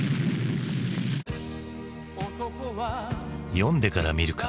「読んでから見るか。